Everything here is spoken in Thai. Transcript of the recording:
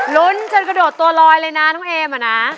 ลุ้นจนกระโดดตัวลอยเลยนะน้องเอมอะนะ